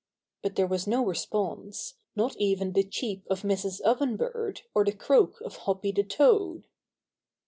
But there was no response, not even the cheep of Mrs. Oven Bird or the croak of Hoppy the iToad.